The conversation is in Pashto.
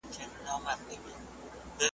ماشومان باید د غاښونو پاکوالي ته پام وکړي.